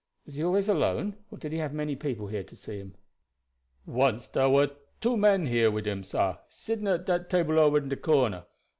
"Was he always alone, or did he have many people here to see him?" "Once dar war two men here wid him, sah, sitting at dat table ober in de corner.